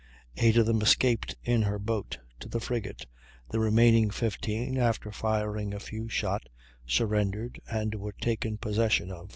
Eight of them escaped in her boat, to the frigate; the remaining fifteen, after firing a few shot, surrendered and were taken possession of.